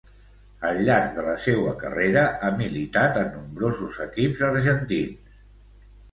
Al llarg de la seua carrera ha militat en nombrosos equips argentins.